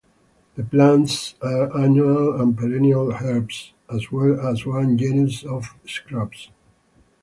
The plants are annual and perennial herbs, as well as one genus of shrubs.